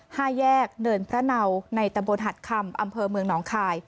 ห้าแยกเนินพระเนาในตะบนหัดคำอำเภอเมืองหนองคาย